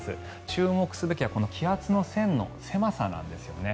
注目すべきは気圧の線の狭さなんですよね。